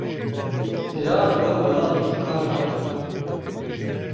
Iraq wek welatekî kar nake.